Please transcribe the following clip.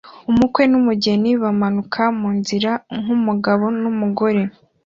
Umukwe n'umugeni bamanuka mu nzira nk'umugabo n'umugore